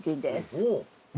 おお！